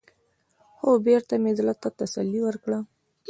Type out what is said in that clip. خـو بـېرته مـې زړه تـه تـسلا ورکړه.